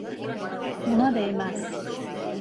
Buna değmez.